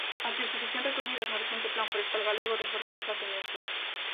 As disposicións recollidas no recente Plan forestal galego reforzan esta tendencia.